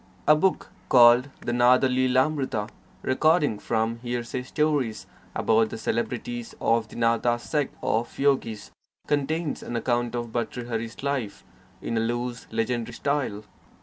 A book called the Nathalilamrita recording from hearsay stories about the celebrities of the 4 VAIRAGYA SATAKAM Natha sect of yogis contains an account of Bhartrhari's life in a loose, legendary style.